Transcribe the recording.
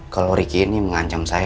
kalau ricky ini mengancam saya